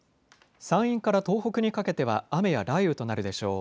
山陰から東北にかけては雨や雷雨となるでしょう。